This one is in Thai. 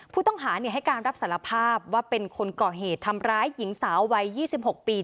ผู้ต้องหาให้การรับสารภาพว่าเป็นคนก่อเหตุทำร้ายหญิงสาววัย๒๖ปี